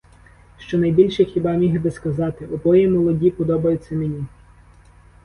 Що найбільше хіба міг би сказати: обоє молоді подобаються мені.